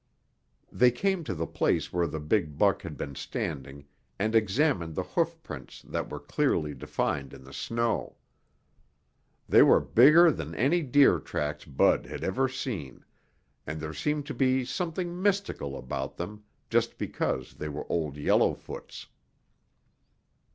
They came to the place where the big buck had been standing and examined the hoofprints that were clearly defined in the snow. They were bigger than any deer tracks Bud had ever seen, and there seemed to be something mystical about them just because they were Old Yellowfoot's.